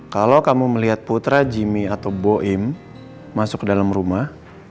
kalau kamu melihat putra jimmy atau boim masuk ke dalam rumah